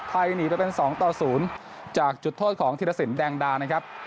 ไทยหนีไปเป็นสองต่อศูนย์จากจุดโทษของทีมสินแดงดานะครับ